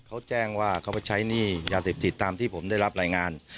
เขาแจ้งว่าเขาไปใช้หนี้ยาเสพติดตามที่ผมได้รับรายงาน